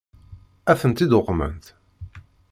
Ad tent-id-uqment?